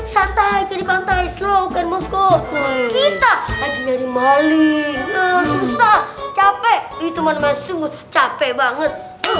santai santai slogan musgo kita lagi nyari paling capek itu man sungguh capek banget